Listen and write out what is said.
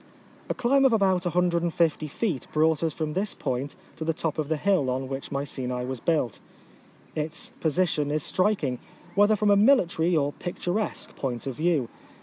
A climb of about 150 feet brought us from this point to the top of the hill on which Mycenae was built. Its position is striking, whether from a military or picturesque point of view.